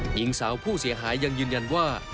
หญิงสาวผู้เสียหายยังยืนยันว่า